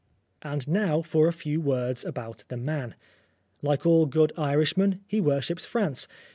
And now for a few words about the man. Like all good Irishmen, he worships France.